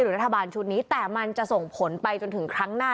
รัฐบาลชุดนี้แต่มันจะส่งผลไปจนถึงครั้งหน้า